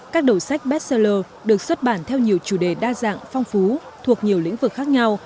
các đầu sách beet zelle được xuất bản theo nhiều chủ đề đa dạng phong phú thuộc nhiều lĩnh vực khác nhau